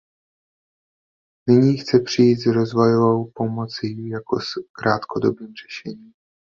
Nyní chce přijít s rozvojovou pomocí jako s krátkodobým řešením.